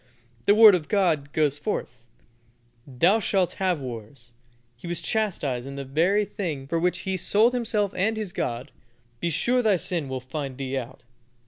the Word of God goes forth, "Thou shalt have wars." He was chastised in the very thing for which he sold himself and his God. "Be sure thy sin will find thee out."